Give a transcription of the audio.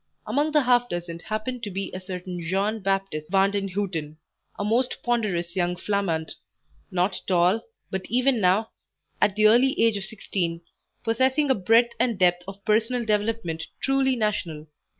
Among the half dozen happened to be a certain Jean Baptiste Vandenhuten, a most ponderous young Flamand, not tall, but even now, at the early age of sixteen, possessing a breadth and depth of personal development truly national.